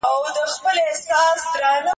که مثبتې خبري وسي، ماشوم نه وارخطا کېږي.